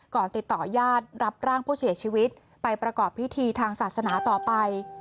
ติดต่อญาติรับร่างผู้เสียชีวิตไปประกอบพิธีทางศาสนาต่อไป